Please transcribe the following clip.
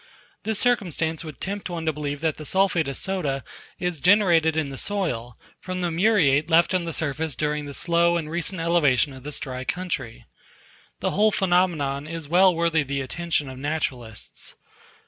This circumstance would tempt one to believe that the sulphate of soda is generated in the soil, from the muriate, left on the surface during the slow and recent elevation of this dry country. The whole phenomenon is well worthy the attention of naturalists.